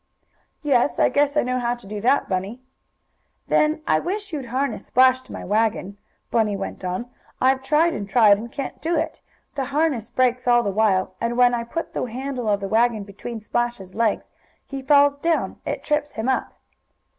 "Yes, I guess I know how to do that, Bunny." "Then I wish you'd harness Splash to my wagon," Bunny went on. "I've tried and tried, and I can't do it. The harness breaks all the while, and when I put the handle of the wagon between Splash's legs he falls down it trips him up."